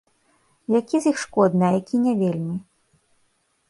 Які з іх шкодны, а які не вельмі?